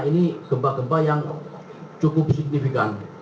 ini gempa gempa yang cukup signifikan